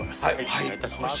お願い致します。